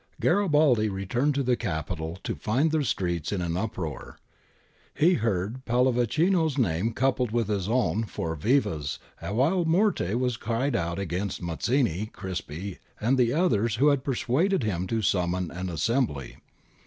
Garibaldi returned to the Capital to find the streets in an uproar. He heard Pallavicino's name coupled with his own for vivaSy while morte was cried out against Mazzini, Crispi, and the others who had persuaded him to summon an assembly.